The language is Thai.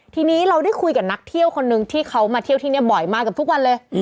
ทีนี้เราได้คุยกับนักเที่ยวคนนึงที่เขามาเที่ยวที่นี่บ่อยมาเกือบทุกวันเลย